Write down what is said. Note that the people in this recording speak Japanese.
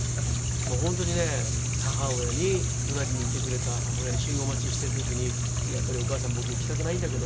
もう本当にね母親に隣にいてくれた母親に信号待ちしてる時に「やっぱりお母さん僕行きたくないんだけど」